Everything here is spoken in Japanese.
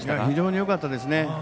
非常によかったですね。